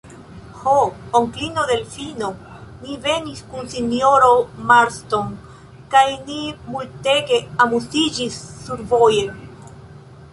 Ho, onklino Delfino, ni venis kun sinjoro Marston kaj ni multege amuziĝis survoje!